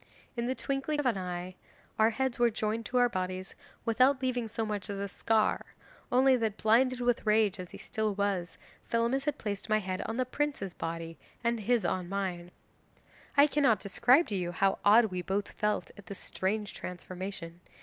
In the twinkling of an eye our heads were joined to our bodies without leaving so much as a scar; only that, blinded with rage as he still was, Thelamis had placed my head on the prince's body, and his on mine! 'I cannot describe to you how odd we both felt at this strange transformation.